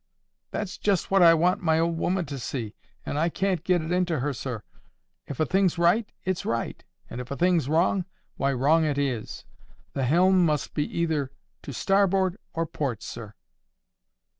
"That's just what I want my old 'oman to see, and I can't get it into her, sir. If a thing's right, it's right, and if a thing's wrong, why, wrong it is. The helm must either be to starboard or port, sir."